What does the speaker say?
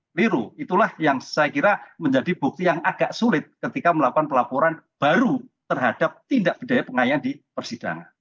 keliru itulah yang saya kira menjadi bukti yang agak sulit ketika melakukan pelaporan baru terhadap tindak bedaya pengayaan di persidangan